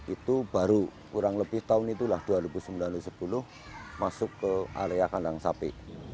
itu baru kurang lebih tahun itulah dua ribu sembilan dua ribu sepuluh masuk ke area kandang sapi